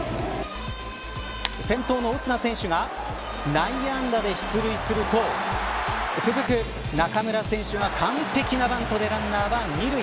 先頭のオスナ選手が内野安打で出塁すると続く中村選手が完璧なバントでランナーは２塁。